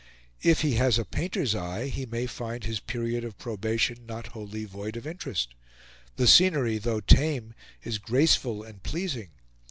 If he has a painter's eye, he may find his period of probation not wholly void of interest. The scenery, though tame, is graceful and pleasing.